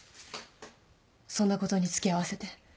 そんなことに付き合わせて。